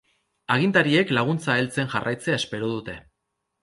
Agintariek laguntza heltzen jarraitzea espero dute.